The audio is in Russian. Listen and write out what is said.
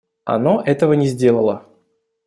Оно этого не сделало.